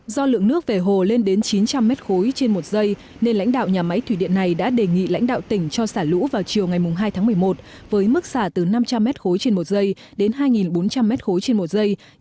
do lượng nước về hồ lên đến chín trăm linh m ba trên một giây nên lãnh đạo nhà máy thủy điện này đã đề nghị lãnh đạo tỉnh cho xả lũ vào chiều ngày hai tháng một mươi một với mức xả từ năm trăm linh m ba trên một giây đến hai bốn trăm linh m ba trên một giây